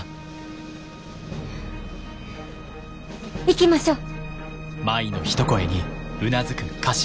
行きましょう。